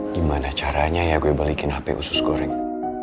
gimana caranya ya gue balikin hp usus goreng